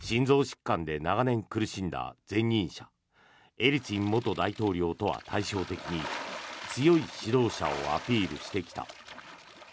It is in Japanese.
心臓疾患で長年苦しんだ前任者エリツィン元大統領とは対照的に強い指導者をアピールしてきた。